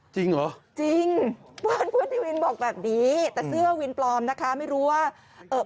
จริงเหรอจริงเพื่อนพุทธวินบอกแบบนี้แต่เสื้อวินปลอมนะคะไม่รู้ว่าเอ่อ